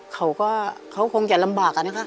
เขาคงจะลำบากค่ะนะคะ